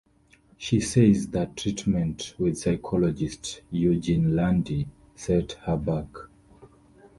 She says that treatment with psychologist Eugene Landy set her back.